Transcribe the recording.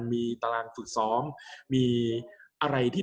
กับการสตรีมเมอร์หรือการทำอะไรอย่างเงี้ย